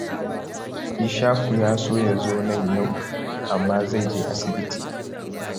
Ishaku ya so ya zo nan yau, amma zai je asibiti.